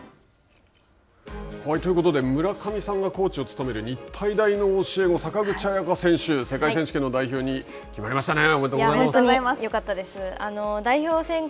ということで、村上さんがコーチを務める日体大の教え子、坂口彩夏選手、世界選手権の代表に決まりましたね。